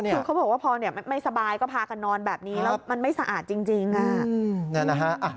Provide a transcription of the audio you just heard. คือเขาบอกว่าพอไม่สบายก็พากันนอนแบบนี้แล้วมันไม่สะอาดจริง